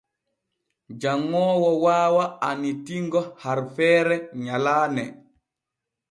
Janŋoowo waawa annitingo harfeere nyalaane.